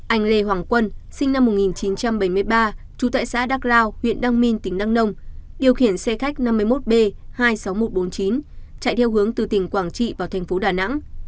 anh lê hoàng quân sinh năm một nghìn chín trăm bảy mươi ba trú tại xã đắk lao huyện đăng minh tỉnh đăng nông điều khiển xe khách năm mươi một b hai mươi sáu nghìn một trăm bốn mươi chín chạy theo hướng từ tỉnh quảng trị vào thành phố đà nẵng